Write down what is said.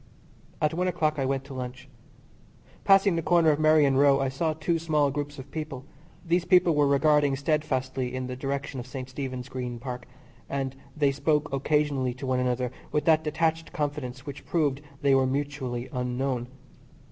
At one o'clock I went to lunch. Passing the corner of Merrion Row I saw two small groups of people. These people were regarding steadfastly in the direction of St. Stephen's Green Park, and they spoke occasionally to one another with that detached confidence which proved they were mutually unknown.